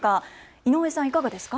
井上さん、いかがですか。